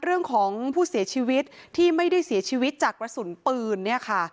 เรื่องของผู้เสียชีวิตที่ไม่ได้เสียชีวิตจากกระสุนปืนเนี่ยค่ะ